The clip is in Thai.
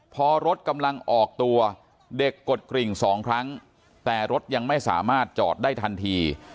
พอรถกำลังออกตัวเด็กกดกริ่งสองครั้งแต่รถยังไม่สามารถจอดได้ทันที